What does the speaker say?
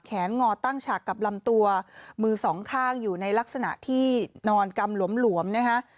งอตั้งฉากกับลำตัวมือสองข้างอยู่ในลักษณะที่นอนกำหลวมนะฮะ